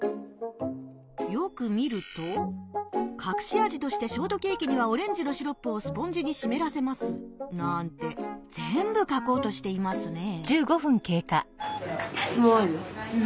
よく見ると「かくしあじとしてショートケーキにはオレンジのシロップをスポンジにしめらせます」なんて全部書こうとしていますね。